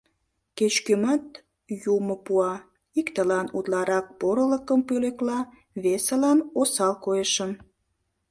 Кеч-кӧмат Юмо пуа: иктылан утларак порылыкым пӧлекла, весылан — осал койышым.